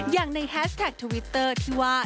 อย่างในแฮสแท็กทวิตเตอร์ที่ว่า